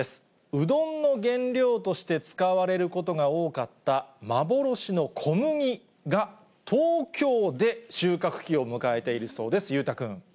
うどんの原料として使われることが多かった幻の小麦が、東京で収穫期を迎えているそうです。